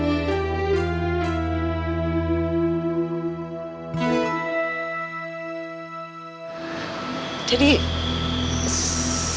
ya tapi aku mau